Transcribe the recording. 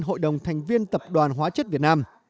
hội đồng thành viên tập đoàn hóa chất việt nam